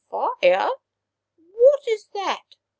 " Fire ! What is that